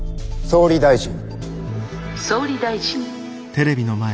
「総理大臣」。